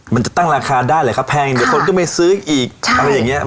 มันจะตั้งราคาได้หรือครับแพงเดี๋ยวคนก็ไม่ซื้ออีกอะไรอย่างนี้